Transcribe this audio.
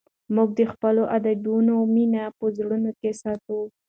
موږ د خپلو ادیبانو مینه په زړونو کې ساتو.